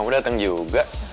aku datang juga